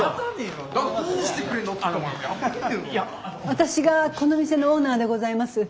私がこの店のオーナーでございます。